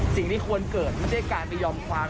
สิ่งที่ควรเกิดไม่ใช่การไปยอมความ